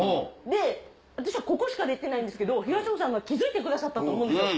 で私はここしか出てないんですけど東野さんが気付いてくださったと思うんですよ。